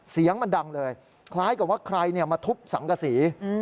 เสียงมันดังเลยคล้ายกับว่าใครมาทุบสังกษี